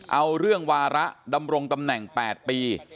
เอาเรื่องวาระดำรงตำแหน่ง๘ปี